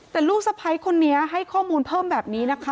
แต่ลูกสะพ้ายคนนี้ให้ข้อมูลเพิ่มแบบนี้นะคะ